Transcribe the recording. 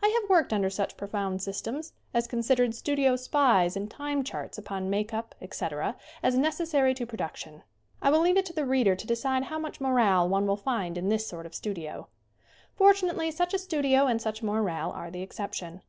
I have worked under such profound systems as considered studio spies and time charts upon make up, etc., as necessary to production. I will leave it to the reader to decide how much morale one will find in this sort of studio. Fortunately such a studio and such a morale are the exception.